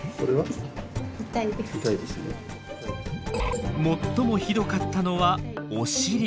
最もひどかったのはお尻。